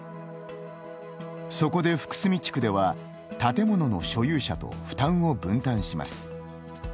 そこで、福住地区では建物の所有者と負担を分担します。